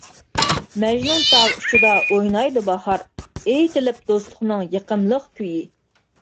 مەجنۇنتال ئۇچىدا ئوينايدۇ باھار، ئېيتىلىپ دوستلۇقنىڭ يېقىملىق كۈيى.